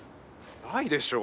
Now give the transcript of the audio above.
ないでしょ？